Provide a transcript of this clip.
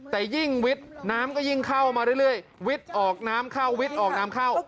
แต่ยิ่งวิทย์น้ำก็ยิ่งเข้ามาเรื่อยวิทย์ออกน้ำเข้าวิทย์ออกน้ำเข้า